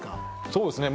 そうですね